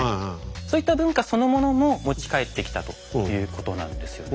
そういった文化そのものも持ち帰ってきたということなんですよね。